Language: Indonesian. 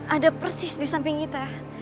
ada persis di samping kita